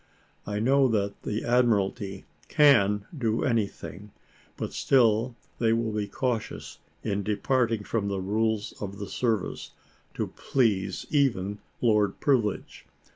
I know that the Admiralty can do anything, but still they will be cautious in departing from the rules of the service, to please even Lord Privilege.